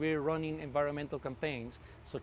karena kami mengadakan kampanye lingkungan